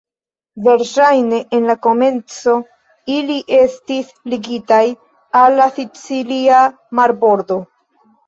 Verŝajne en la komenco ili estis ligitaj al la sicilia marbordo.